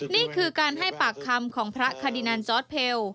นี่คือการให้ปากคำของพระคาดินันจอร์ดเพล